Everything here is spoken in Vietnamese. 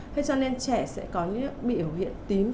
thế cho nên trẻ sẽ có những biểu hiện tím